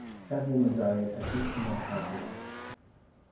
That woman's eyes have eaten my heart away!